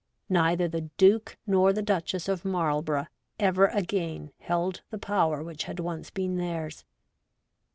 neither the Duke nor the Duchess of Marlborough ever again held the power which had once been theirs.